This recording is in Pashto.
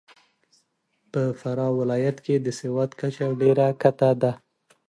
په فراه ولایت کې د سواد کچه ډېره کښته ده .